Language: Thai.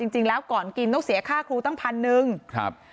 จริงแล้วก่อนกินต้องเสียค่าครูตั้ง๑๐๐๐บาท